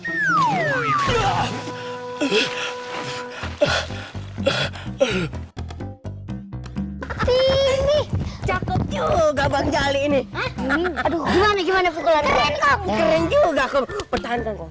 ini cakep juga bang jali ini gimana gimana